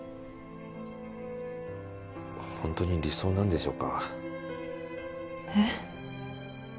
ホントに理想なんでしょうかえっ？